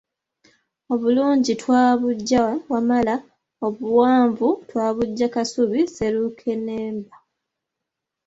Obulungi twabuggya Wamala, Obuwanvu twabuggya Kasubi, Sserukennemba!